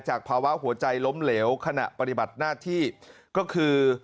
ภาวะหัวใจล้มเหลวขณะปฏิบัติหน้าที่ก็คือ